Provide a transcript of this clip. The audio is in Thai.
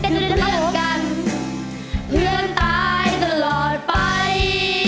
เพื่อนเลือกกันเพื่อนตายตลอดไป